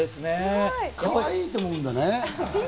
かわいいと思うんだね。